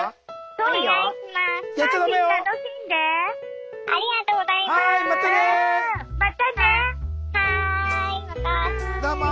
どうも。